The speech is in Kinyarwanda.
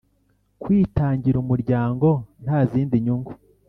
Kwitangira umuryango nta zindi nyungu